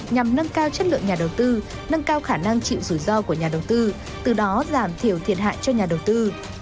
nhằm nâng cao chất lượng nhà đầu tư nâng cao khả năng chịu rủi ro của nhà đầu tư từ đó giảm thiểu thiệt hại cho nhà đầu tư